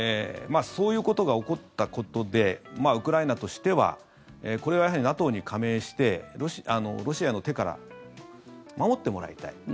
そういうことが起こったことでウクライナとしてはこれはやはりＮＡＴＯに加盟してロシアの手から守ってもらいたい。